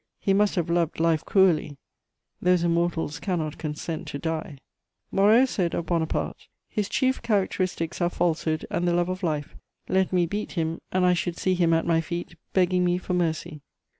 He must have loved life cruelly: those immortals cannot consent to die. Moreau said of Bonaparte: "His chief characteristics are falsehood and the love of life: let me beat him, and I should see him at my feet begging me for mercy."